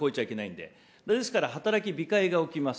ですから、働き控えが起きます。